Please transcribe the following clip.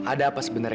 ada apa sebenarnya